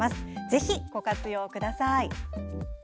ぜひ、ご活用ください。